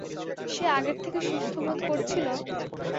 সে আগের থেকে সুস্থ বোধ করছিল?